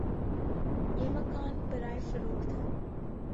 یہ مکان برائے فروخت ہے